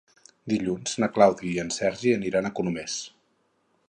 Dilluns na Clàudia i en Sergi aniran a Colomers.